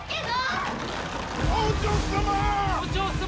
お嬢様！